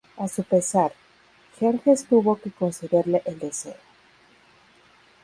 A su pesar, Jerjes tuvo que concederle el deseo.